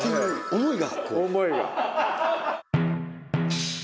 思いが。